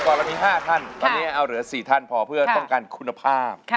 เรามี๕ท่านตอนนี้เอาเหลือ๔ท่านพอเพื่อต้องการคุณภาพ